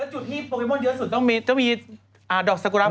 จุดที่โปเกมอนเยอะสุดต้องมีดอกสกุราม